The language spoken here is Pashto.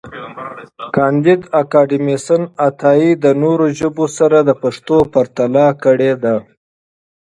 کانديد اکاډميسن عطایي د نورو ژبو سره د پښتو پرتله کړې ده.